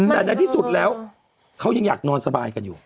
แต่ในที่สุดแล้วเขายังอยากนอนสบายกันอยู่